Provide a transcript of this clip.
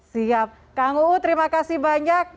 siap kang uu terima kasih banyak